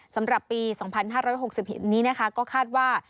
สำหรับปี๒๕๖๐นี้ก็คาดว่า